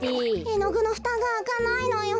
えのぐのふたがあかないのよ。